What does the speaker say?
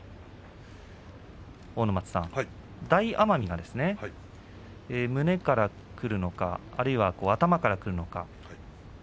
大奄美がですね、胸からくるのかあるいは頭からくるのか。